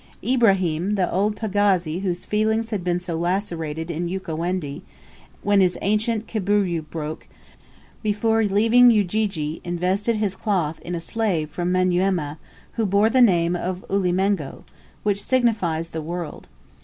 Ibrahim, the old pagazi whose feelings had been so lacerated in Ukawendi, when his ancient kibuyu broke, before leaving Ujiji invested his cloth in a slave from Manyuema, who bore the name of "Ulimengo," which signifies the "World."